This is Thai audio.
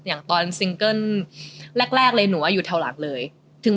อย่างตอนแรกเลยหนูอ่ะอยู่แถวหลังเลยถึงแม้หลังแต่อยู่ตรงกลาง